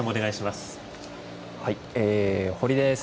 堀です。